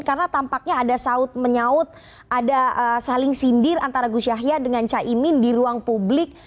karena tampaknya ada saut menyaut ada saling sindir antara gus yahya dengan caimin di ruang publik